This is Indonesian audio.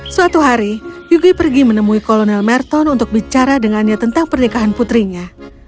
suatu hari yuki pergi menemui kolonel merton untuk bicara dengannya tentang pernikahan putrinya